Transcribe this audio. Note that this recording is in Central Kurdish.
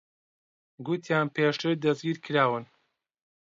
گوتیان پێشتر دەستگیر کراون.